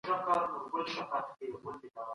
د جګړي دوام د هېواد اقتصاد ته سخته ضربه ورکړه.